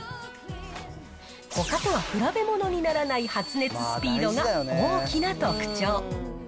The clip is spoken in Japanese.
ほかとは比べ物にならない発熱スピードが大きな特徴。